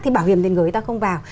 thì bảo hiểm tiền gửi ta không vào